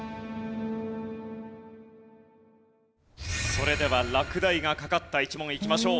それでは落第がかかった１問いきましょう。